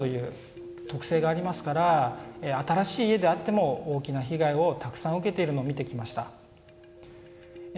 水は低い所に集まるという特性がありますから新しい家であっても大きな被害をたくさん受けているのを見てきました。